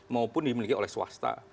maupun dimiliki oleh swasta